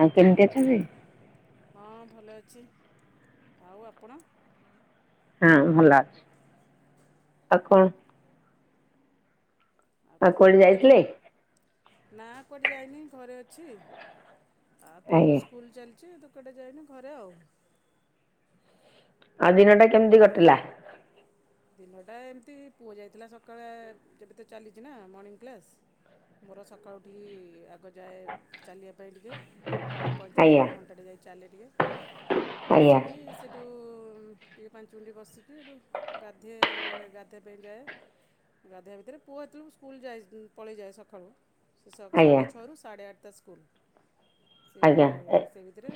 ଆଉ କେମିତି ଅଛନ୍ତି? ହଁ ଭଲ ଅଛି ଆଉ ଆପଣ? ହଁ ଭଲ ଅଛି ଆଉ କଣ? ଆଉ କଣ କୁଆଡେ କରୁଥିଲେ ଆପଣ ଯାଇଥିଲେ? ନା କୁଆଡେ ଯାଇନି ଘରେ ଅଛି। ଆଉ ପୁଅ ତ ଆଜ୍ଞା। ସ୍କୁଲ୍ ଚାଲିଚି ତ କୁଆଡେ ଯାଇନି ଘରେ ଆଉ। ଆଉ ଦିନଟା କେମତି କଟିଲା? ଦିନଟା ଏମିତି ପୁଅ ଯାଇଥିଲା ସକାଳେ ଯେବେ ତ ଚାଲିଚି ନା ମର୍ଣ୍ଣିଂ କ୍ଲାସ୍। ମୋର ସକାଳୁ ଉଠିକି ଆ ଗ ଯାଏ ଚାଲିବା ପାଇଁ ଟିକେ ପଇଁଚାଳିଶ୍ ଆଜ୍ଞା ମିନିଟ୍ ରୁ ଘଣ୍ଟାଟେ ଯାଏ ଚାଲେ ଟିକେ। ଆଜ୍ଞା ଆସିକି ସେଇଟୁ ଟିକେ ପାଞ୍ଚ ମିନିଟ୍ ବସିକି ହେଟୁ ଗାଧେଏ ଗାଧେଇବା ପାଇଁ ଯାଏ। ଗାଧେଇବା ଭିତରେ ପୁଅ ହେତୋଳୁକୁ ସ୍କୁଲ୍ ଯାଏ ପଳେଇଯାଏ ସଖାଳୁ। ସେ ସ ଆଜ୍ଞା ସାଢ଼େ ଛଅରୁ ସାଢ଼େ ଆଠଟା ସ୍କୁଲ୍। ଆଜ୍ଞା ଏ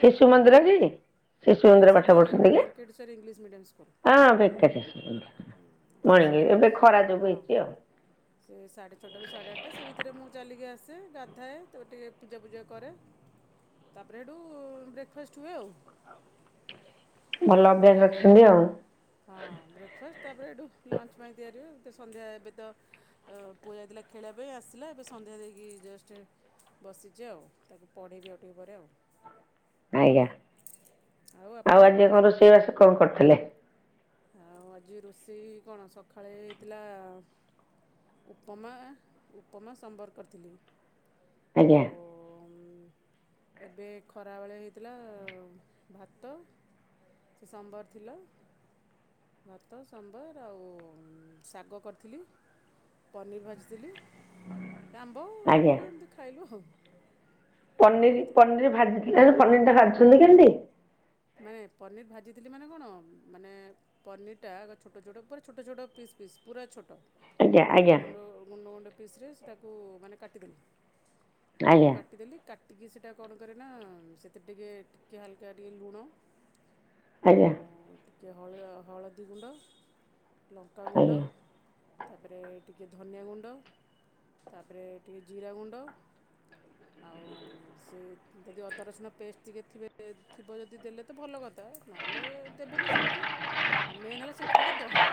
ଶିଶୁ ମୁଁ ମନ୍ଦିର ଯାଇକି କି? ଶିଶୁ ନାଇଁ ମନ୍ଦିର ସେ ପାଠ ପଢୁଛନ୍ତି କି ଭେଙ୍କଟେଶ୍ୱର ଇଂଲିଶ ମିଡ଼ିୟମ୍ ସ୍କୁଲ ହଁ ବେକେରିଆ ସ୍କୁଲ୍। ସେ ମଣିଙ୍ଗିରୁ ଏବେ ସେଠିକି ଖରା ଯୋଗୁ ହଁ ହେଇଚି ଆଉ। ସେ ସାଢ଼େ ଛଅଟାରୁ ସାଢ଼େ ଆଠଟା ସେ ଭିତରେ ମୁଁ ଚାଲିକି ଆସେ ଗାଧାଏ ତ ଟିକେ ପୂଜା ଫୁଜା କରେ। ତାପରେ ହେଟୁ ବ୍ରେକେଫାଷ୍ଟ୍ ହୁଏ ଆଉ। ଭଲ ଅଭ୍ୟାସ ବ୍ରେକ୍ ରଖିଛନ୍ତି ଆଉ। ହଁ ବ୍ରେକଫ୍ରାଷ୍ଟ୍ ତାପରେ ଏଠୁ ଲଞ୍ଚ୍ ପାଇଁ ତିଆରି ହୁଏ ସନ୍ଧ୍ୟା ଏବେ ତ ହଁ ପୁଅ ଯାଇଥିଲା ଖେଳିବା ପାଇଁ ଆସିଲା ଏବେ ସନ୍ଧ୍ୟା ଦେଇକି ଜଷ୍ଟ ବସିଛି ଆଉ ତାକୁ ପଢ଼େଇବି ଆଉ ଟିକେ ପରେ ଆଉ। ଆଜ୍ଞା ଆଉ ଆଜି କଣ ରୋଷେଇବାସ କଣ କରିଥିଲେ? ଆଉ ଆଜି ରୋଷେଇ କଣ ସକାଳେ ହେଇଥିଲା ଉପମା ଉପମା ସମ୍ବର୍ କରିଥିଲି। ଆଜ୍ଞା ଆଉ। ଏବେ ଖରାବେଳେ ହେଇଥିଲା ଭାତ। ସେ ସମ୍ବର୍ ଥିଲା। ଭାତ ସମ୍ବର୍ ଆଉ ଶାଗ କରିଥିଲି। ପନିର୍ ଭାଜିଥିଲି ଆମ୍ବ ଆଜ୍ଞା। କାକୁଡ଼ି ଏମିତି ଖାଇଲୁ ହଉ। ପନିର୍ ପନିର୍ ଭାଜିଥିଲାଜେ ପନିର୍ ଟା ଭାଜୁଛନ୍ତି କେମିତି? ମାନେ ପନିର୍ ଭାଜିଥିଲି ମାନେ କଣ ମାନେ ପନିର୍ ଟା ଆଗ ଛୋଟ ଛୋଟ ପୁରା ଛୋଟ ଛୋଟ ପିସ୍ ପିସ୍ ପୁରା ଛୋଟ ଆଜ୍ଞା ଆଜ୍ଞା ଗୁଣ୍ଡ ଗୁଣ୍ଡ ଗୁଣ୍ଡ ପିସ୍ ରେ ସେଟାକୁ ମାନେ କାଟିଦେଲି। ଆଗ ଆଜ୍ଞା କାଟିଦେଲି କାଟିକି ସେଇଟା କଣ କରେ ନା ସେଥିରେ ଟିକେ ଟିକେ ହାଲ୍କା ଟିକେ ଲୁଣ। ଆଉ ଆଜ୍ଞା ଟିକେ ହଳଦିଗୁଣ୍ଡ। ଲଙ୍କାଗୁଣ୍ଡ। ଆଜ୍ଞା। ତାପରେ ଟିକିଏ ଧନିଆ ଗୁଣ୍ଡ ତାପରେ ଟିକେ ଜିରା ଗୁଣ୍ଡ। ଆଉ ସେ ଯଦି ଅଦା ରସୁଣ ପେଷ୍ଟ୍ ଟିକେ ଥିବେ ଥିବ ଯଦି ଦେଲେ। ତ ଭଲ କଥା ନହେଲେ ଦେବେନି ସେମିତି ଆଉ ମେନ୍ ହେଲା ସେ ଟିକେ ଦହି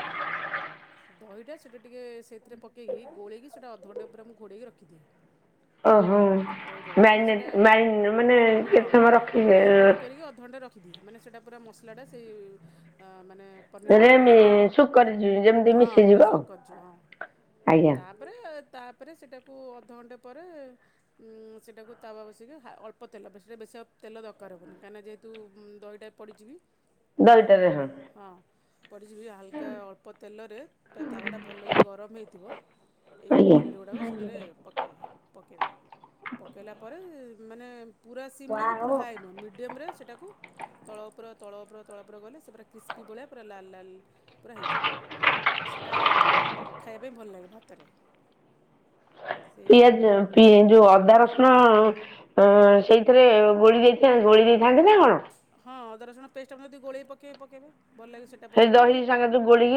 ଦହିଟା ସେଇଟା ଟିକେ ସେଇଥିରେ ପକେଇକି ଗୋଳେଇକି ସେଇଟା ଅଧଘଣ୍ଟେ ପୁରା ମୁଁ ଘୋଡେଇକି ରଖିଦିଏ। ଓହୋ ଦହିଟା ମାନେ ସେଇଟା ମ୍ୟାରିନେଟ୍ ମ୍ୟାରି ମାନେ ହଁ କେତେ ସମୟ ରଖିବେ ମାରିନେଟ୍ କରିକି ଅଧଘଣ୍ଟେ ର ଦିଏ ମାନେ ସେଇଟା ପୁରା ମସଲାଟା ସେଇ ମାନେ ପନିର୍ ଭିତରେ ରେ ଶୁକରେ ଯେମିତି ହଁ ପୁରା ମିଶିଯିବ ଆଉ ଶଉକୋ କରିଯିବ ହଁ ଆଜ୍ଞା ତା ତାପରେ ତାପରେ ସେଇଟାକୁ ଅଧଘଣ୍ଟେ ପରେ ଉଁ ସେଇଟାକୁ ତାୱା ବସେଇକି ଅଳ୍ପ ତେଲ ସେଇଟା ବେଶୀ ଆଉ ତେଲ ଦରକାର ହବନି କାହିଁକିନା ଯେହେତୁ ଉଁ ଦହିଟା ପଡ଼ିଚିକି ଓ ହଁ। ପଡ଼ିଯିବି ହାଲ୍କା ଅଳ୍ପ ତେଲରେ ତାୱାଟା ଭଲକି ଗରମ ହେଇଥିବ। ଏଇ ଆଜ୍ଞା। ପନିର୍ ଗୁଡ଼ାକ ସେଥିରେ ପକାଏ ପକେଇବେ ପକାଇଲା ପରେ ମାନେ ପୁରା ସିମ୍ ନୁହେଁ କି ପୁରା ହାଏ ନୁହେଁ ମିଡ଼ିୟମରେ ସେଟାକୁ। ତଳ ଉପର ତଳ ଉପର ତଳ ଉପର ଗଲେ ସେ ପୁରା କ୍ରିସ୍ପି ଭଳିଆ ପୁରା ଲାଲ୍ ଲାଲ୍ ପୁରା ହେଇଯିବ ଆଉ ସେଇଟା ଖାଇବା ପାଇଁ ଭଲ ଲାଗେ ଭାତରେ। ସେଇ ପିଆଜ ପି ଯୋଉ ଅଦା ରସୁଣ ଅଁ ସେଇ ଏଥିରେ ଗୋଳି ଦେଇଥା ଗୋଳି ଦେଇଥାନ୍ତି ନା କଣ? ହଁ ଅଦା ରସୁଣ ପେଷ୍ଟ ତମେ ଯଦି ଗୋଳେଇ ପକେଇ ପକେଇବେ ଭଲ ଲାଗେ ସେଠି ହେଇ ଦହି ସାଙ୍ଗେରେ ଯୋଉ ଗୋଲଇକି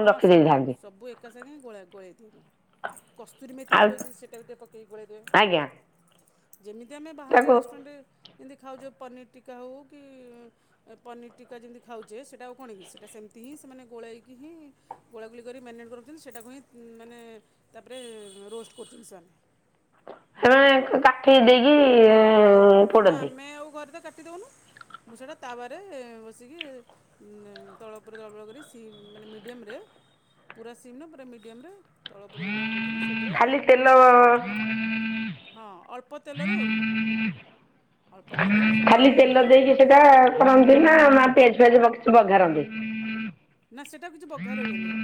ହଁ ସବୁ, ସବୁ ଏକା ସାଙ୍ଗେ ଗୋଳା ଗୋଳେଇଦେଇଦବୁ। କସ୍ତୁରୀମେଥି ଆଉ ଥିବ ଯଦି ସେଇଟା ଟିକେ ପକେଇକି ଗୋଳାଇଦବେ। ଆଜ୍ଞା ଯେମିତି ଆମେ ବାହାରେ ତାକୁ ରେଷ୍ଟୁରାଣ୍ଟରେ ଯେମିତି ଖାଉଛେ ପନିର୍ ଟୀକା ହଉ କି ପନିର୍ ଟୀକା ଯେମିତି ଖାଉଛେ ସେଇଟା ଆଉ କଣ କି? ସେଇଟା ସେମିତି ହିଁ ସେମାନେ ଗୋଳେଇକି ହିଁ ଗୋଳାଗୁଳି କରି ମ୍ୟାନେଟ୍ କରି ରଖୁଛନ୍ତି, ସେଇଟାକୁ ହିଁ ମାନେ ତାପରେ ରୋଷ୍ଟ କରୁଛନ୍ତି ସମାନେ। ବୁଝିଲେ ଏଇ, ସେମାନେ କାଠି ଦେଇକି ହଁ ଇଏ ଅ, କରୁନି କିନ୍ତୁ ପୋଡନ୍ତି ଆମେ ଆଉ ଘରେ ତ କାଟିଦଉନୁ। ମୁଁ ସେଟା ତାୱାରେ ବସିକି ତଳ ଉପର ତଳ ଉପର କରି ସିମ୍ ମାନେ ମିଡ଼ିୟରେ, ପୁରା ସିମ୍ ନୁହେଁ, ପୁରା ମିଡ଼ିୟମରେ ତଳ ଉପର ତଳ ଉପର ଘାଣ୍ଟି ଦଲେ ସେ ପୁରା ଖାଲି ତେଲ ହଁ ଅଳ୍ପ ତେଲରେ ଆଉ। ଅଳ୍ପ ତେଲରେ ସେଇ ଖାଲି ତେଲ ଦେଇକି ସେଇଟା କରନ୍ତି ନା ପିଆଜ ଫିଆଜ ପକେଇକି ବଘାରନ୍ତି। ନା ସେଇଟା କିଛି ବଘାର ହୁଏନି ଆଉ।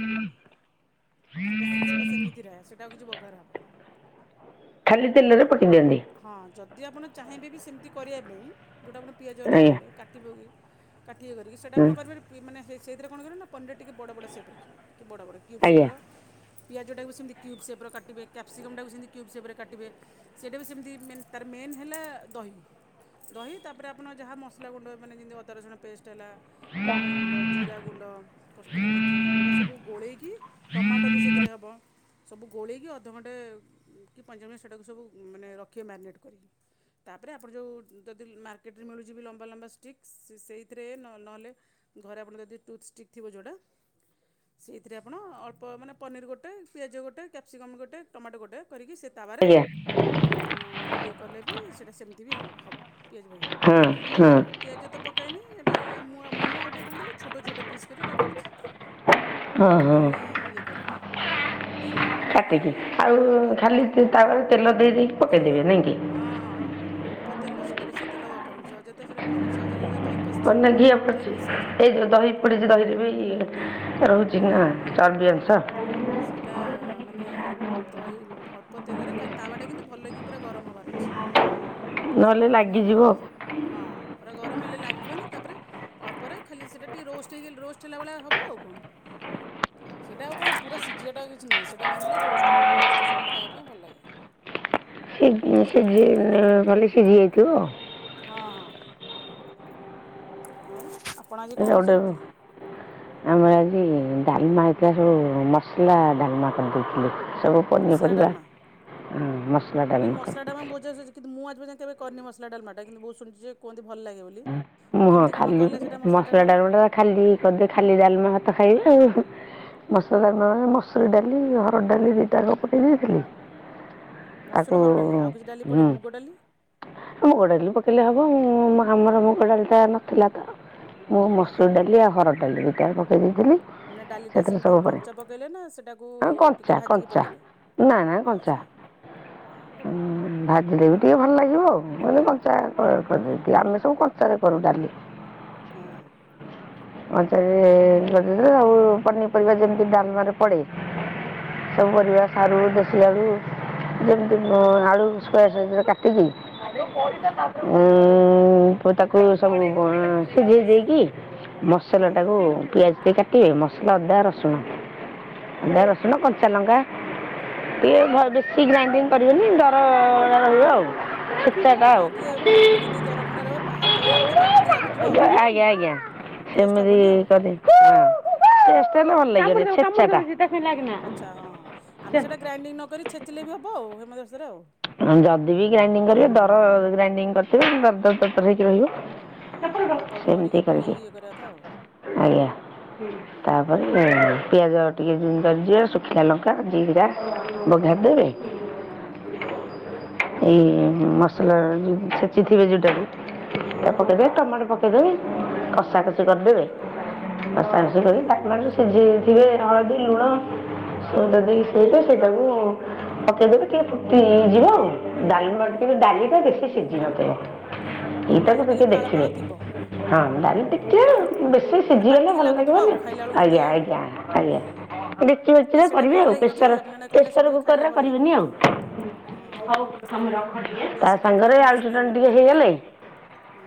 ସେଟା ସେଇଟା ସେମିତିରେ ସେଇଟା ଆଉ କିଛି ବଘାର ହେବନି। ଖାଲି ତେଲରେ ପକେଇ ଦିଅନ୍ତି। ହଁ ଯଦି ଆପଣ ଚାହିଁବେ ବି ସେମିତି କରିବା ପାଇଁ, ଯୋଉଟା ଆପଣ ପିଆଜ ଅଦା ଆଜ୍ଞା କହିଲେ, କାଟିବ କି କାଟିଏ କରିକି ସେଟା ହଁ ଆପଣ କରିବାପାରିବେ, ମାନେ ସେଥିରେ କଣ କରିବ ନା ପନିରରେ ଟିକେ ବଡ଼ ବଡ ସେପ୍ ରଖିବେ ଟିକେ ବଡ ବଡ କି। କ୍ୟୁବ୍ ଆଜ୍ଞା ସେପର, ପିଆଜଟାକୁ ସେମତି କ୍ୟୁବ୍ ସେପର କାଟିବେ, କାପ୍ସିକମ୍ ଟାକୁ ସେମିତି କ୍ୟୁବ୍ ସେପର କାିଟିବେ ସେଟା ବି ସେମିତି ମେନ ତାର ମେନ୍ ହେଲା ଦହି। ଦହି ତାପରେ ଆପଣ ଯାହା ମସଲା ଗୁଣ୍ଡ ମାନେ ଯେମିତି ଅଦା ରସୁଣ ପେଷ୍ଟ ହେଲା ଧନିଆ ଗୁଣ୍ଡ, ଜିରା ଗୁଣ୍ଡ, କସ୍ତୁରୀ, ମେଥି ଏଗୁଡ଼ା ସବୁ ଗୋଳେଇକି ଟମାଟୋ ବି ସେଥିରେ ହବ। ସବୁ ଗୋଳେଇକି ଅଧଘଣ୍ଟେ କି ପଇଁଚାଳିଶି ମିନିଟ୍ ସେଟାକୁ ସବୁ ମାନେ ରଖିବେ ମ୍ୟାରିନେଟ୍ କରିକି। ତା ପରେ ଆପଣ ଯଉ ଯଦି ମାର୍କେଟରେ ମିଳୁଯିବି ଲମ୍ବା ଲମ୍ବା ଷ୍ଟିକ୍, ସେଇଥିରେ ନ ନହେଲେ ଘରେ ଆପଣଙ୍କର ଯଦି ଟୁଥ୍ ଷ୍ଟିକ୍ ଥିବ ଯଉଟା, ସେଇଥିରେ ଆପଣ ଅଳ୍ପ ପ ମାନେ ପନିରଗୋଟେ, ପିଆଜଗୋଟେ, କ୍ୟାପ୍ସିକମ୍ ଗୋଟେ, ଟମାଟୋଗୋଟେ, କରିକି ସେ ତାୱାରେ ଆଜ୍ଞା ଇଏ କଲେ ବି ସେଇଟା ସେମିତି ବି ହଲ ହବ ପିଆଜ ପକେଇକି। ହଁ କିନ୍ତୁ ମୋ ହଁ ପ ପିଆଜ ତ ପକାଇନି ଏଇଟା ମୁଁ ଆଉ ମୁଁ ଆଉ ଟିକେ କଣ କଲି ଛୋଟ ଛୋଟ ପିସ୍ କରି ଏଇଟା କରିଛି। ହଁ ହଁ ଖାଲି ଇଏ କରିବି। କାଟିକି। ଆଉ ଖାଲି ତାୱାରେ ତେଲ ଦେଇ ଦେଇେଇକି ପକେଇଦେବେ ନାଇଁକି। ହଁ ହଁ ହଁ, ଅଳ୍ପ ତେଲ ସେଟି ବେଶୀ ତେଲ ଦରକାରହବନି ସହଜେ ତ ସେଟା ପନିର ସଜରେ ଦ କଣ ନା ଘିଅ ପଡିଛି ଏଇ ଯୋଉ ଦହି ହଁ ପଡିଛି, ଦହିରେ ବିଇ ରହୁଛି ନା। ହଁ ଚର୍ବି ଅଂଶ [unintelligible] ସେଇଟା ମାନେ ଦହି ଅଳ୍ପ ତେଲରେ ଖାଲି ତାୱାଟା କିନ୍ତୁ ଭଲକି ପୁରା ଗରମ ହେବାର ଅଛି। ସେ ନହେଲେ ଗଲମ ହେଲେ ଲାଗିଯିବ ହଁ ପୁରା ଗରମ ହେଲେ ଲାଗିବନି ତାପରେ ଅଳ୍ପରେ ଖାଲି ସେଟା ଟିକେ ରୋଷ୍ଟ ହେଇଗଲି ରୋଷ୍ଟ ହେଲାବେଳିଆ ହେବ ଆଉ କଣ। ସେଇଟା ଆଉ କଣ ପୁରାସିଝିବାଟା କିଛି ନୁହଁ। ସେଟା ମେନ ହେଲା ରୋଷ୍ଟ ହେବ। ରୋଷ୍ଟରେ ସେଟା ଖାଇବା ପାଇଁ ଭଲ ଲାଗେ। [inaudible] ସିଝି ସିଝି ଭଲେଇକି ସିଝି ଯାଇଥିବ ଆଉ। ହଁ ହଁ। ଆଉ ଆ ଏଟା ଗୋଟେ [inaudible] ଆମର ଆଜି ଡାଲମା ହେଇଥିଲା ସବୁ ମସଲା ଡାଲମା କରିଦେଇଥିଲି ସବୁ। ମସଲା ପନିପରିବା ଡାଲମା ହୁଁ ମସଲା ଡାଲମା କରିବା। କଣ ବୁଝାସୋଜି କିନ୍ତ ମୁଁ ଆଜି ପର୍ଯ୍ୟନ୍ତ କେବେ କରିନି ମସଲା ଡାଲମାଟା। କିନ୍ତୁ ବହୁ ଶୁଣିଛି ଯେ କୁହନ୍ତି ଭଲ ଲାଗେ ବୋଲି। ମୁଁ ହଁ କେମିତି କଣ ଖାଲି କଲେ ସେଇଟା ମସଲା ଡାଲମାଟା ଖାଲି କରିଦେ ଖାଲି ଡାଲମା ଭାତ ଖାଇବି ଆଉ। ମସଲାର ନ ମସୁରୀ ଡାଲି ହରଡ଼ ଡାଲି ଦି ଟାଙ୍କ ଫୁଟେଇ ଦେଇଥିଲି। ମସୁର ତାକୁ ହରଡ଼ ଡାଲି ଆଉ କିଛି ଡାଲି ହୁଁ। ପଡ଼େନି ମୁଗ ଡାଲି ମୁଗ ଡାଲି ପକେଇଲେ ହବ ମୁ ଆମର ମୁଗ ଡାଲିଟା ନଥିଲା ତ। ମୁଁ ହଁ ମସୁର ହଁ ଡାଲି ଆଉ ହରଡ ଡାଲି ଦିଟା ପକେଇ ଦେଇଥିଲି। ମାନେ ଡାଲିଟା ସେଥିରେ ସେମିତି ସବୁ ପରେ କଞ୍ଚା ପକେଇଲେ ନା ସେଇଟାକୁ ଆଉ କଞ୍ଚା ଟିକି ଭାଜିକି କଞ୍ଚା ପକେଇଲେ? ନା ନା କଞ୍ଚା। ଭାଜିଦବୁ ଟିକେ ଭଲ ଲାଗିବ ଆଉ ମାନେ କଞ୍ଚା କ ଆମେ ସବୁ କଞ୍ଚା ରେ କରୁ ଡାଲି। ଅହ। କଞ୍ଚାରେ [unintelligible] ଆଉ ପନିପରିବା ଯେମିତି ଡାଲମାରେ ପଡେ। ହୁଁ। ସବୁ ପରିବା ସାରୁ ଦେଶୀ ଆଳୁ ଯେମିତି ମୁଁ ଆଳୁ ସ୍କୋୟାର ସାଇଜର କାଟିକି ହୁଁ ହୁଁ ଉଁ ପ ତାକୁ ସ କ ସିଝେଇ ଦେଇକି ହଁ ମସଲାଟାକୁ ପିଆଜ ଟିକେ କାଟିବେ ମସଲା ଅଦା ରସୁଣ ହଁ ହଁ ଅଦା ହଁ ରସୁଣ କଞ୍ଚା ଲଙ୍କା। ଟିକେ ଘ ବେଶୀ ଗ୍ରାଇନଡିଂ କରିବେନି ଦର ରହିବ ଆଉ। ଓହୋ ଛେଚାଟା ମାନେ ଆଉ ଟିକେ ମାନେ ଯେମିତି ଦରଖଣ୍ଡ ରହିବ ପାହାର୍ ହାତକୁ ଲାଗୁଥିବ ପାଟିକି ଲାଗୁଥିବ ଆଉ ଆଜ୍ଞା ହୁଁ ପେଷ୍ଟ ହବନି ଆଉ। ପେଷ୍ଟ ହେଲେ ଭଲ ଲାଗେନି ଛେଚାଟା। ଆଚ୍ଛା ହଁ ହଁ ଆମେ ସେଇଟା ଗ୍ରାଇଣ୍ଡିଙ୍ଗ ନ କରି ଛେଚିଲେ ବି ହବ ଆଉ ହେମଦସ୍ତାରେ ଆଉ। ଯଦି ବି ଗ୍ରାଇଡିଙ୍ଗ କରିବେ ଦର ଗ୍ରାଇଡିଂ କରିଥିବେ ଦର ଦର ଦର ହେଇକି ହଁ ହଁ ରହିବ। ଅଳ୍ପ ଅଳ୍ପ ସେମିତି କରିକି ବୁଲେଇକି ଇଏ କରିବା କଥା ଆଉ ଆଜ୍ଞା। ହୁଁ ହୁଁ ତାପରେ ପିଆଜ ଟିକେ ଜ କରିିବା ଶୁଖିଲା ଲଙ୍କା ଜିରା ବଘାରିଦେବେ। ହଁ ହଁ। ଏଇ ମସଲା ଛେଚି ଥିବେ ଯୋଉଟାରୁ ହଁ ହଁ ପକେଇଦେବେ ଟମାଟୋ ପକ୍ କେଇଦେବେ କଷା କଷି କରିଦେବେ କଷା କଷି ହଁ କରି ହଁ [inaudible] ସେ ଯିଏ ଥିବେ ଆଉ ଦେଇ ଲୁଣ ସଦା ଦେଇ ସେଇ ସେଇଟାକୁ ପଠେଇଦବେ ଟିକେ ଫୁଟି ଯିବ। ଡାଲରେ ଟିକେ ଡଲିିଟା ବେଶୀ ସିଝିନଥିବ। ଇ ଓ ତାକୁ ଡାଲିଟା ଟିକେ ଫାଳ ଦେଖିବେ ଫାଳ ଥିବ ହଁ ଡାଲି ଟିକେ ବେଶ୍ ବ ମାନେ ସିଝିଗଲେ ପାଟିକି ଭଲ ଲାଗୁଥିବ ଲାଗିବନି ଆଉ ଖାଇଲା ବେଳକୁ ଯେମିତି ଆଜ୍ଞା ଆଉ। ଆଜ୍ଞା ହୁଁ। ଆଜ୍ଞା। ଡେକ୍ଚୀ ନା ଫେକ୍ଚିରେ ସେଇଟା ବି ଭଲ ଆଉ ଲାଗିବ ଯେ ପ୍ରେସର ଆପଣ ଜଣେ କହିଲେ ପ୍ରେସର ସେମିତି ବି ଖାଇଲେ କୁକରରେ ଭଲ ଲାଗିବ। କରିବେନି ଆଉ। ହଁ ହଁ। ନାଇଁ ତା ସେଇଟା ଯେଉଁଟା ସାଙ୍ଗରେ କହିଲେ ଆଳୁ ସେଇଟା ବି ଚଟଣି ଭଲ ଟିକେ ଲାଗିବ ଯେ। ହେଇଗଲେ ହୁଁ।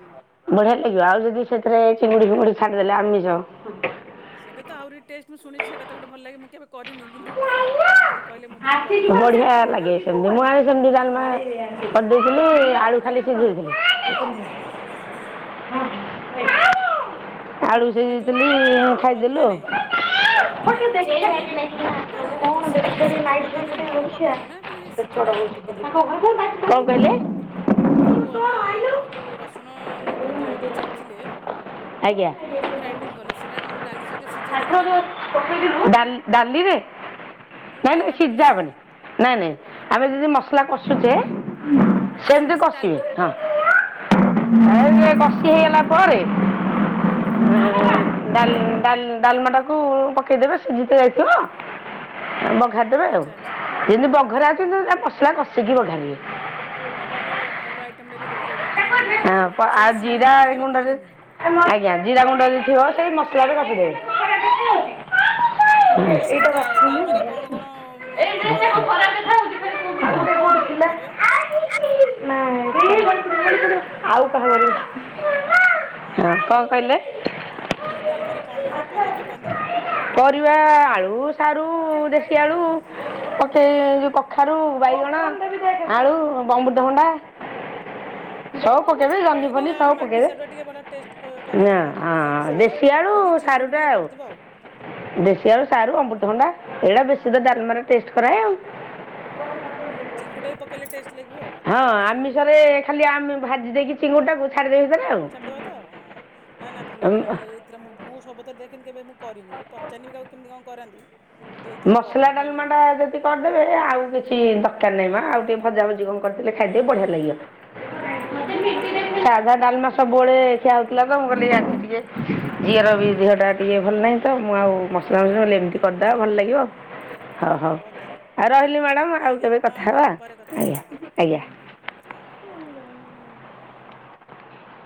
ବଢିଆ ଲାଗିବ। ଆଉ ଯଦି ସେଥିରେ ଚିଙ୍ଗୁଡି ଫିଙ୍ଗୁଡି ଛାଣିଦେଲେ ଆମିଷ ସେଟା ତ ଆହୁରି ଟେଷ୍ଟ ମୁଁ ଶୁଣିଚି ସେଟା ତ ଗୋଟେ ଭଲ୍ ଲାଗେ। ମୁଁ କେଭେ କରିନି କିନ୍ତୁ ଆପଣ ଆଜି କହିଲେ ମୁଁ ଦିନେ କରିବି ଏଇ ମସଲା ବଢ଼ିଆ ଡାଲମାଟା। [unintelligible] ସେମିତି ଡାଲମା କରିଦେଇଥିଲି ଆଳୁ ଖାଲି ସିଝେଇଥିଲି। ହଁ ହଁ। [unintelligible] ଆପଣ ଯଉ ସିଝେଇଥିଲି ଆପଣ ଯଉ ଖାଇଦେଲୁ ନାଇଁ ନାଇଁ ହଁ ଯଉ ଅଦା ଆଉ ହାରିକା ସବୁ ଦେଖିବା ଛେଚିଲେ ଡାଲି ଟା ଯୋଉ ସିଝେଇଲେ ସେଥିରେ ପକେଇ ଦେଲେ ନା ହେଟା ବଘାରିଲେ ନା ଖାଲି ସିଝାଟା ପକେଇଦେ କଣ କହିଲେ? ଯଉ ଅଦା ଯଉ ରସୁଣ ଲ କଞ୍ଚା ଲଙ୍କା ଯଉ ଛେଚିଲେ ଆଜ୍ଞା। କି ଯଉ ଗ୍ରାଇଣ୍ଡିଙ୍ଗ କଲେ, ସେଟା ମାନେ ଡାଲି ସହିତ ସିଝେଇ କାଠ ଦେଲେ ନା ଯୋଉ କଣ? ପକେଇଥିଲୁ ଡାଲି ଡାଲିରେ? ହେଠୁ ନାଇଁ ନାଇଁ ଡାଲମା ଟା ଯଉ ସିଝା ସି ହେବନି ନାଇଁ ନାଇଁ ଆମେ ଯଦି ମସଲା କଷୁଚେ ଓହୋ କଷିକି ସେମିତି ସେ କଷିବେ ଡାଲିଟା ହଁ। ଏ ଆଚ୍ଛା ଟିକେ ଆଚ୍ଛା କଷି ହେଇଗଲା ପରେ ହଁ ହଁ ଡାଲ୍ ଡାଲ୍ ଡାଲମାଟାକୁ ପକେଇଦେବେ ସିଝି ତ ଯାଇ [unintelligible] ଓ ହୋ ହୋ ଆଉ ଆଚ୍ଛା ଆଚ୍ଛା ହଁ ହଁ ଯେମିତି ହଁ ବଘରା ଠିକ୍ ଅଛି ମସଲା କଥା। ହଁ କଷିକି ହଁ ବଘାରିବେ ହଁ। ନା ଭଲ ଭଲ ଆଇଟମ୍ ଟା ବି କହିଲେ। ଏଇଟା ଆକ୍ଚୁଆଲି ମୁଁ ବି ହଁ, ପ- ଆଉ ସବୁ ଜିରା ଶୁଣିଚି କିନ୍ତୁ କେବେ ଗୁଣ୍ଡରେ କରିନି। ଆଜ୍ଞା ଜିରା ଗୁଣ୍ଡ ଯଦି ଥିବ ସେଇ ମସଲାରେ କଷିଦେବେ। ଅ ହଁ। ଆଚ୍ଛା ସେଇ ଏଇଟା ଡା ଡାଲମାରେ ବାଥରୁମ୍ କଣ କଣ ଏଇ ମାନେ ଯେ ସେ ପକାନ୍ତି? ଖରାପ କଥା ହଉଛି ଫେରେ କୋଉ କଥା ଗୋଟେ କୋଉଠି ଥିଲା। ପରିବା। [unintelligible] ହଁ ହଁ କଣ ମୁଁ କହିଲେ କହୁଚି ଡାଲମାରେ କଣ କଣ ପରିବା ପକାନ୍ତି? ପରିବା ଆଳୁ ସାରୁ ଦେଶୀ ଆଳୁ ପକେଇ ଯୋଉ କଖାରୁ, ବାଇଗଣ, ଆଳୁ, ଅମୃତଭଣ୍ଡା ହଁ ସବୁ ପକେଇବେ ଜହ୍ନି ମେନ୍ ଫହ୍ନି ହେଲା ସବୁ ମାଟି ପକେଇବେ। ସାରୁଟା ଟିକେ ଭଲ ଟେଷ୍ଟ କରେ ତାର ମାଟି ସାରୁ ସାରୁ ଦେଶିଆଳୁ ଯଦି ସାରୁ ଚିଙ୍ଗୁଡ଼ି ଟା ଟିକେ ଆଉ। ପଡ଼ିଥିବ ଦେଶିଆଳୁ ସାରୁ ଅମୃତଭଣ୍ଡା ଏଇଟା ବେଶୀ ଡାଲମା ରେ ଟେଷ୍ଟ କରାଏ ଆଉ। ଅ ହଁ। ଚିଙ୍ଗୁଡି ରେ ପକେଇଲେ ଟେଷ୍ଟ ଲାଗିବ ଆଉ। ହଁ ତାର ବେଶୀ ଇଏ। ଆମିଷରେ ଖାଲି ଆମେ ଭାଜି ଦେଇକି ଚିଙ୍ଗୁଟାକୁ ଛାଡ଼ିଦେଇ ଛାଡିଦବା ତ ହଁ ନା ନା ଭଲ। ଆଉ [unintelligible] ମୁଁ ସବୁଥିରେ ଦେଖେନି କେବେ ମୁଁ କରିନି, ପଚାରିନି ବି କାହାକୁ କେମିତି କଣ କରନ୍ତି। କିନ୍ତୁ ଏଇଥର ମସଲା କରିବି ଭଲ ଡାଲମା ଟା ଯଦି କରିଦେବେ ଆଉ କିଛି ଦରକାର ନାହିଁ ହଁ ମା ଆଉ ହଁ ଟିକେ ଭଜା ଭଜି କଣ କରିଦେଲେ ଖାଇଦେଇ ବଢିଆ ଲାଗିବ। ଓହୋ, ଯାହା ହଉ ଭଲ ସାଧା ହେଲା। ଡାଲମା ସବୁବେଳେ ସେ ଆଉଥିଲା ତ ମୁଁ କହିଲି ଆଜି ଟିକେ ଝିଅର ବି ଦେହ ଟା ଆଉ ହଉ ଟିକେ ହଁ ଭଲ ନାହିଁ ତ ମୁଁ ଆଉ ମସଲା ମସଲା ମୁଁ କହିଲି ହଉ ଏମିତି ଠିକ୍ କରିଦବା ଅଛି ଭଲ ଆଉ ଲାଗିବ। ହଉ ହଉ। ତାହେଲେ ଆଉ ହଉ ରହିଲି ମ୍ୟାଡ଼ାମ ହଁ ଆଉ ଆଜ୍ଞା କେବେ ହଁ କଥା ହଁ ହେବା ପରେ କଥା ହେବା ଆଜ୍ଞା ହଁ ଆଜ୍ଞା। ହଁ